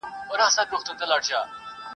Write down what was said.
شپه تر سهاره پر لمبو ګرځې !.